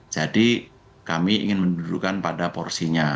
jadi kami ingin mendudukan pada porsinya